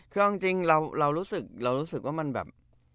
คือบางจริงเรารู้สึกว่ามันแบบ